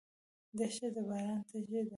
دښته د باران تږې ده.